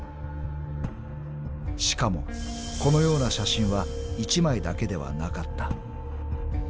［しかもこのような写真は１枚だけではなかった］